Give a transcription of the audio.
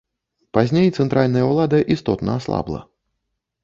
Пазней цэнтральная ўлада істотна аслабла.